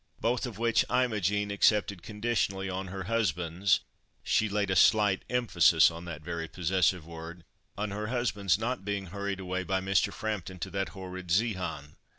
Both of which Imogen accepted conditionally on her husband's—she laid a slight emphasis upon that very possessive word—"on her husband's not being hurried away by Mr. Frampton to that horrid Zeehan."